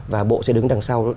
và bộ sẽ đứng đằng sau